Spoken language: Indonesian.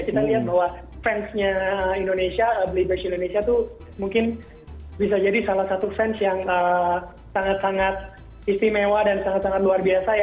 kita hanya lihat bahwa fansnya believers indonesia mungkin bisa jadi salah satu band esaer mangat istimewa dan sangat sangat luar biasa ya